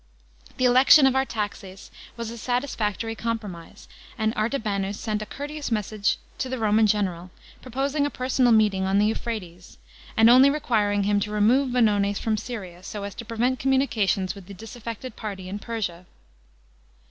The election of Artaxes was a satisfactory compromise, and Avtabanus sem a courteous message to the Roman general, proposing a personal meeting on the Euphrates, and only requiring him to remove Vonones from Syria, so as to prevent communications with the disaffected party in Persia.